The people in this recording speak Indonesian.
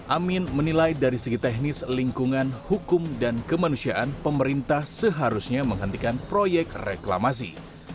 amin menilai dari segi teknis lingkungan hukum dan kemanusiaan pemerintah seharusnya menghentikan proyek reklamasi